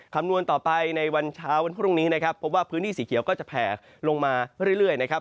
คำนวณต่อไปในวันเช้าวันพรุ่งนี้นะครับพบว่าพื้นที่สีเขียวก็จะแผ่ลงมาเรื่อยนะครับ